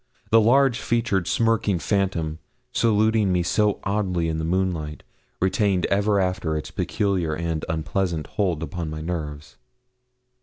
The large featured, smirking phantom, saluting me so oddly in the moonlight, retained ever after its peculiar and unpleasant hold upon my nerves.